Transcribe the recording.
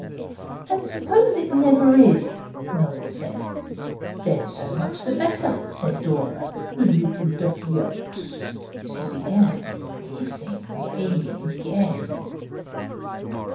'And suppose it never is,' Noel said. 'Then so much the better,' said Dora, 'the little Duckyux.' She began kissing the baby again.